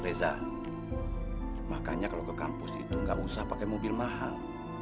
reza makanya kalau ke kampus itu nggak usah pakai mobil mahal